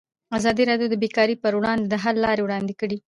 ازادي راډیو د بیکاري پر وړاندې د حل لارې وړاندې کړي.